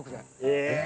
え